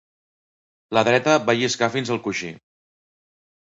La dreta va lliscar fins al coixí.